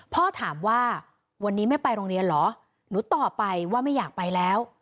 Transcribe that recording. พ่อถามว่าวันนี้ไม่ไปโรงเรียนเหรอหนูตอบไปว่าไม่อยากไปแล้ว